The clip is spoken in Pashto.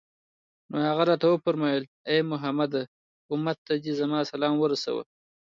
نو هغه راته وفرمايل: اې محمد! أمت ته دي زما سلام ورسوه